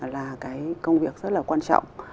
là cái công việc rất là quan trọng